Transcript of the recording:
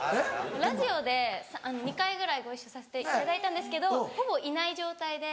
ラジオで２回ぐらいご一緒させていただいたんですけどほぼいない状態で。